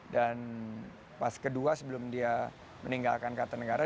dan pas kedua sebelum dia meninggalkan kata negara